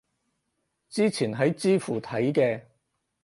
之前喺知乎睇嘅